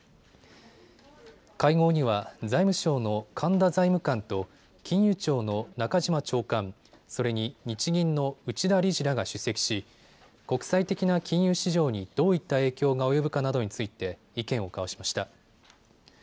会合には財務省の神田財務官と金融庁の中島長官、それに日銀の内田理事らが出席し国際的な金融市場にどういった影響が及ぶかなどについて意見を交わしました。